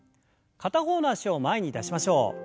片方の脚を前に出しましょう。